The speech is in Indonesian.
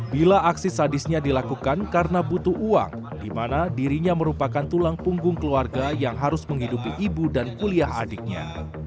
bila aksi sadisnya dilakukan karena butuh uang di mana dirinya merupakan tulang punggung keluarga yang harus menghidupi ibu dan kuliah adiknya